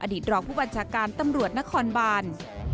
รองผู้บัญชาการตำรวจนครบาน